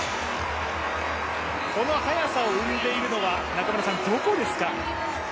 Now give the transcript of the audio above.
この速さを生んでいるのはどこですか？